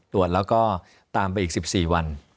ตรวจแล้วก็ตามไปอีก๑๔วัน